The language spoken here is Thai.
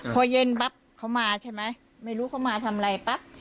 พอเย็นปั๊บเขามาใช่ไหมไม่รู้เขามาทำอะไรป่ะ